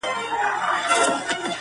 گراني په تاڅه وسول ولي ولاړې .